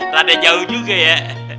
rada jauh juga ya